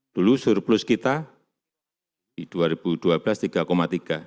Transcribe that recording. dulu surplus kita di dua ribu dua belas tiga tiga